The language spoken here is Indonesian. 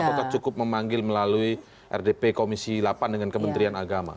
apakah cukup memanggil melalui rdp komisi delapan dengan kementerian agama